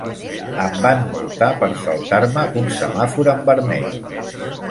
Em van multar per saltar-me un semàfor en vermell.